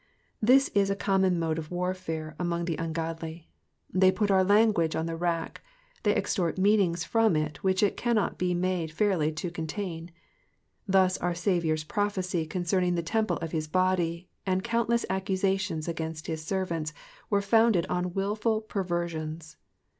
"*^ This is a common mode of warfare among the ungodly. They put our language on the rack, they extort meanings from it which it cannot be made fairly to contain. Thus our Saviour's prophecy concerning the temple of his body, and countless accusations against his servants, were founded on wilful perversions.